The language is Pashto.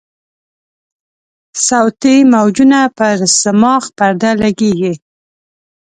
صوتي موجونه پر صماخ پرده لګیږي.